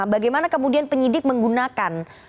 bagaimana kemudian penyidik menggunakan